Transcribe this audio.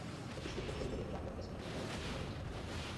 এতে সৈকত পড়ে গেলে ট্রাকের পেছনের চাকায় পিষ্ট হয়ে ঘটনাস্থলেই মারা যায়।